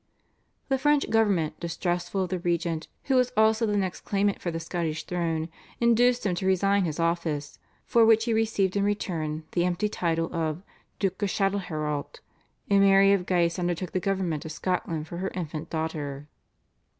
The French government, distrustful of the regent who was also the next claimant for the Scottish throne, induced him to resign his office, for which he received in return the empty title of Duke of Châtelherault, and Mary of Guise undertook the government of Scotland for her infant daughter.